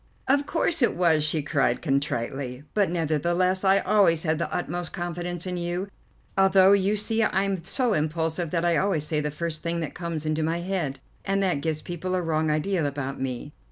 "Of course it was," she cried contritely, "but nevertheless I always had the utmost confidence in you, although you see I'm so impulsive that I always say the first thing that comes into my head, and that gives people a wrong idea about me.